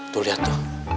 tuh liat tuh